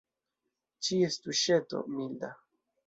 Ĉies tuŝeto – milda.